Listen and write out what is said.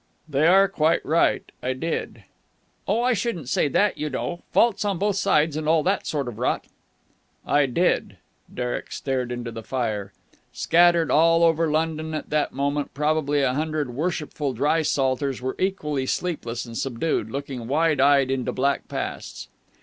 "They are quite right. I did." "Oh, I shouldn't say that, you know. Faults on both sides and all that sort of rot." "I did!" Derek stared into the fire. Scattered all over London at that moment, probably a hundred Worshipful Dry Salters were equally sleepless and subdued, looking wide eyed into black pasts.